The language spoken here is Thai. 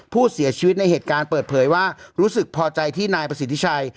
ผู้เสียชีวิตในเหตุการณ์เปิดเผยว่ารู้สึกพอใจที่นายประสิทธิชัย